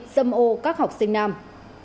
xâm ô các học sinh nam